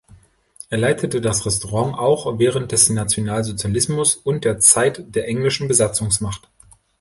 Er leitete das Restaurant auch während des Nationalsozialismus und der Zeit der englischen Besatzungsmacht.